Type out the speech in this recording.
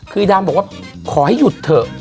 คือดามบอกว่าขอให้หยุดเถอะ